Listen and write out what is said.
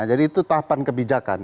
jadi itu tahapan kebijakan